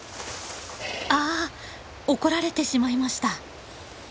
あ怒られてしまいました。